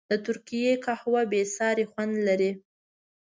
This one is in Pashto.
د ترکي قهوه بېساری خوند لري.